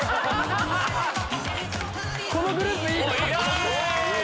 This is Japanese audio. このグループいいぞ！